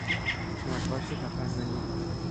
نقاش تفننی